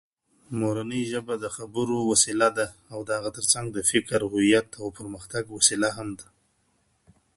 مورنۍ ژبه د خبرو وسیله ده او د هغه تر څنک د فکر او هویت او پرمختګ وسیله هم ده